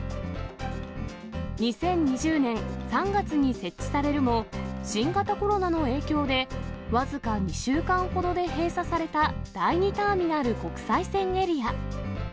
２０２０年３月に設置されるも、新型コロナの影響で、僅か２週間ほどで閉鎖された第２ターミナル国際線エリア。